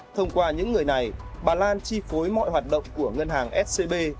thông qua những người này bà lan chi phối mọi hoạt động của ngân hàng scb